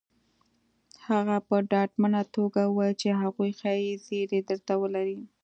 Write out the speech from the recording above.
هغه په ډاډمنه توګه وويل چې هغوی ښايي زيری درته ولري